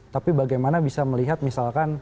tapi bagaimana bisa melihat misalkan